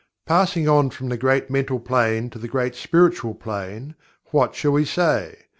Passing on from the Great Mental Plane to the Great Spiritual Plane, what shall we say?